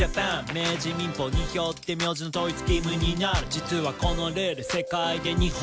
「明治民法によって名字の統一義務になる」「実はこのルール世界で日本だけ」えっ？